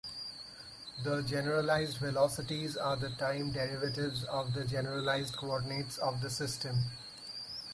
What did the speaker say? The generalized velocities are the time derivatives of the generalized coordinates of the system.